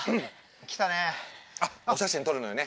来たね。